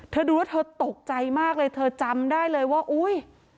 ดูแล้วเธอตกใจมากเลยเธอจำได้เลยว่าอุ้ย